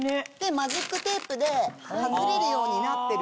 マジックテープで外れるようになってる。